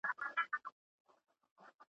د دوو وروڼو تر مابین جوړه جگړه وه ,